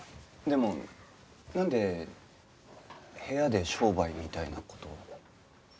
でもなんで部屋で商売みたいな事を？